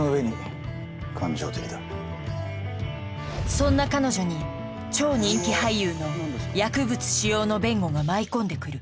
そんな彼女に超人気俳優の薬物使用の弁護が舞い込んでくる。